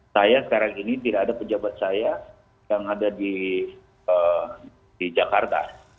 saya sekarang ini tidak ada pejabat saya yang ada di jakarta